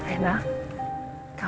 masa yang terakhir